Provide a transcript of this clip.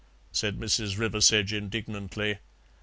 said Mrs. Riversedge indignantly.